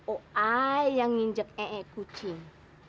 aku yang menjunjuk buah kucing